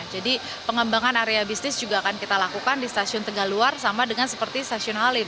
jadi pengembangan area bisnis juga akan kita lakukan di stasiun tegaluar sama dengan seperti stasiun halim